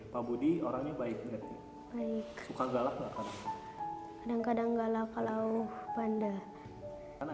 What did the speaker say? pabudi orangnya baik baik suka galak kadang kadang galak kalau bandar ada